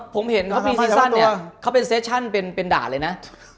ผมเห็นเขามีซีซั่นเนี่ยเขาเป็นเซชั่นเป็นด่าเลยนะ